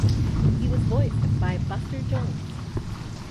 He was voiced by Buster Jones.